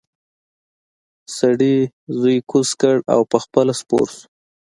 سړي زوی کوز کړ او پخپله سپور شو.